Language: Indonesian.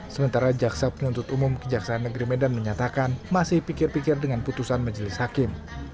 sementara jaksa penuntut umum kejaksaan negeri medan menyatakan masih pikir pikir dengan putusan majelis hakim